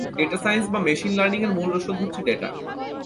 Data science বা machine learning এর মূল রসদ হচ্ছে ডেটা।